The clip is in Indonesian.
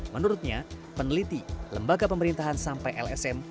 menurutnya peneliti lembaga pemerintahan sampai lsm